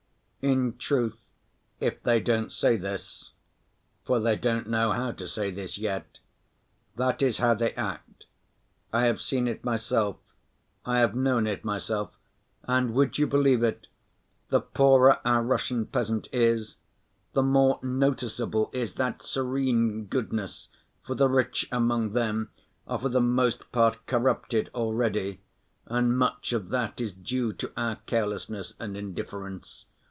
In truth if they don't say this (for they don't know how to say this yet), that is how they act. I have seen it myself, I have known it myself, and, would you believe it, the poorer our Russian peasant is, the more noticeable is that serene goodness, for the rich among them are for the most part corrupted already, and much of that is due to our carelessness and indifference.